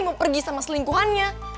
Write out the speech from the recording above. mau pergi sama selingkuhannya